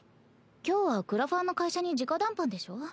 今日はクラファンの会社に直談判でしょ？